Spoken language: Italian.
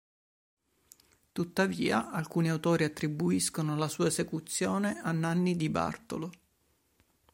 Tuttavia alcuni autori attribuiscono la sua esecuzione a Nanni di Bartolo.